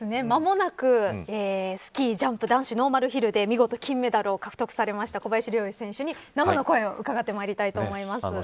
間もなく、スキージャンプ男子ノーマルヒルで見事、金メダルを獲得した小林陵侑選手に生の声を伺ってまいりたいと思います。